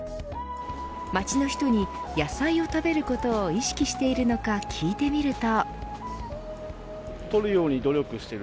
街の人に、野菜を食べることを意識しているのか聞いてみると。